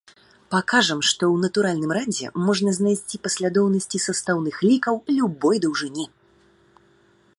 Пакажам, што ў натуральным радзе можна знайсці паслядоўнасці састаўных лікаў любой даўжыні.